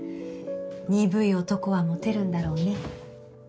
鈍い男はモテるんだろうね。